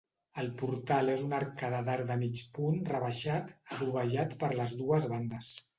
El portal és una arcada d'arc de mig punt rebaixat adovellat per les dues bandes.